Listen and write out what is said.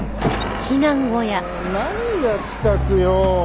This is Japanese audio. もう何が「近く」よ。